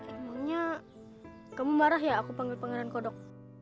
emangnya kamu marah ya aku panggil pangeran kodok